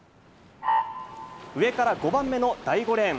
上から５番目の第５レーン。